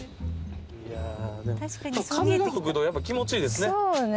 徳永：風が吹くとやっぱり、気持ちいいですね。